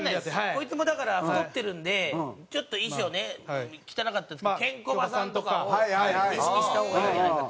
こいつもだから太ってるんでちょっと衣装ね汚かったんですけどケンコバさんとか意識した方がいいんじゃないかと。